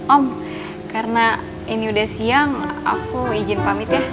om karena ini udah siang aku izin pamit ya